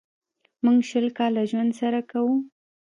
موږ شل کاله ژوند سره کوو.